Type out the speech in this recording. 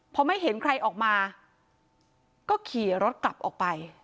พอไม่เห็นใครออกมาก็ขี่รถกลับออกไป